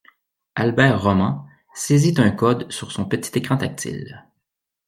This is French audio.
Albert Roman saisit un code sur petit écran tactile